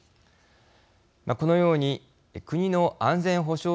このように国の安全保障上の必要性